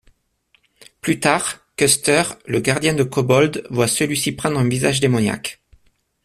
Plus tard, Custer, le gardien de Kobold, voit celui-ci prendre un visage démoniaque.